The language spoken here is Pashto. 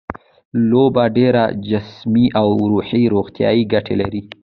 لوبې ډېرې جسمي او روحي روغتیايي ګټې لري.